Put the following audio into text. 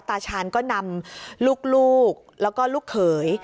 ตาชาญก็นำลูกแล้วก็ลูกเขย